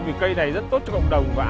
vì cây này rất tốt cho cộng đồng